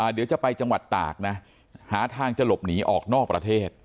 เดี๋ยวจะไปจังหวัดตากนะหาทางจะหลบหนีออกนอกประเทศ